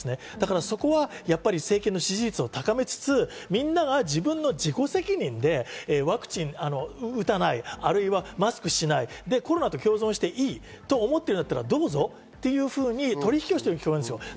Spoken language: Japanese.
そこは政権の支持率を高めつつ、みんなが自分の自己責任で打たない、あるいはマスクしない、コロナと共存していいと思っているなら、どうぞというふうに取引をしているように聞こえる。